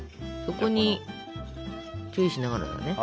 そこに注意しながらだね。